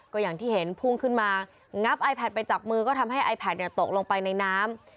ก็อย่างที่เห็นพุ่งขึ้นมางับไอแพทไปจากมือก็ทำให้ไอแพทตกลงไปในน้ำ